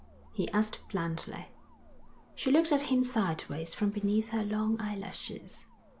he asked blandly. She looked at him sideways from beneath her long eyelashes.